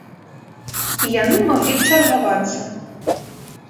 І яны маглі б чаргавацца.